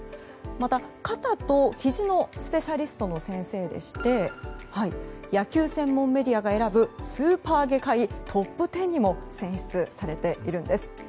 また、肩とひじのスペシャリストの先生でして野球専門メディアが選ぶスーパー外科医トップ１０にも選出されているんです。